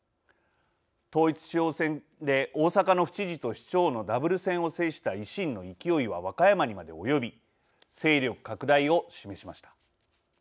統一地方選で大阪の府知事と市長のダブル戦を制した維新の勢いは和歌山にまで及び勢力拡大を示しました。